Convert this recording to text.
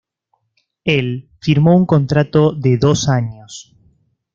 Él firmó un contrato de dos años.